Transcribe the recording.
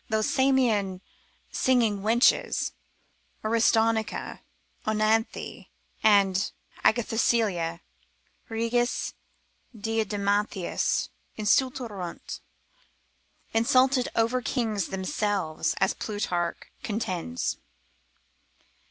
Those Samian singing wenches, Aristonica, Onanthe and Agathocleia, regiis diadematibus insultarunt, insulted over kings themselves, as Plutarch contends.